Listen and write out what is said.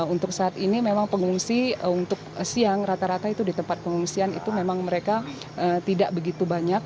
untuk saat ini memang pengungsi untuk siang rata rata itu di tempat pengungsian itu memang mereka tidak begitu banyak